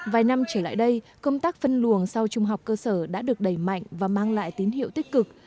vài năm trở lại đây công tác phân luồng sau trung học cơ sở đã được đẩy mạnh và mang lại tín hiệu tích cực